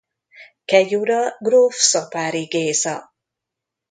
Kegyura gróf Szapáry Géza.